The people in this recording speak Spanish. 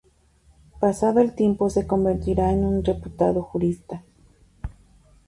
Pasado el tiempo se convertirá en un reputado jurista.